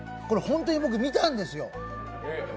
これ、僕本当に見たんですよ。